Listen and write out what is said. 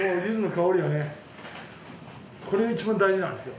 これがいちばん大事なんですよ。